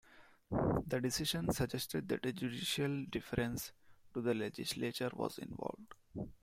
The decision suggested that a judicial deference to the legislature was involved.